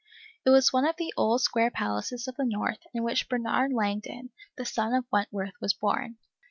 It was one of the old square palaces of the North, in which Bernard Langdon, the son of Wentworth, was born.